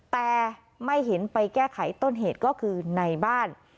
แต่ไม่เห็นไปแก้ไขต้นเหตุก็คือในบ้าน